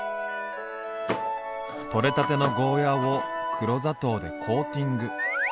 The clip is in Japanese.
取れたてのゴーヤーを黒砂糖でコーティング。